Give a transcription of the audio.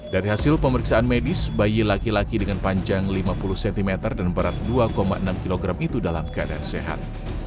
dari hasil pemeriksaan medis bayi laki laki dengan panjang lima puluh cm dan berat dua enam kg itu dalam keadaan sehat